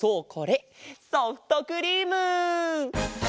ソフトクリーム！